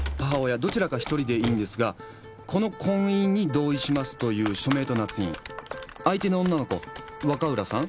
どちらか１人でいいんですが「この婚姻に同意します」という署名となつ印相手の女の子若浦さん？